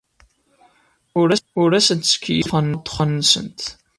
Ur asent-ttkeyyifeɣ ddexxan-nsent.